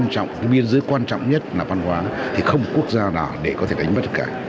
cái biên giới quan trọng nhất là văn hóa thì không quốc gia nào để có thể đánh bất cả